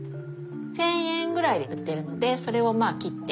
１，０００円ぐらいで売ってるのでそれをまあ切って。